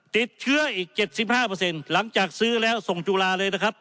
ติดเชื้ออีก๗๕หลังจากซื้อแล้วส่งจุฬาเลยนะครับ